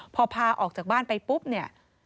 พอพาออกจากบ้านไปปุ๊บเนี่ย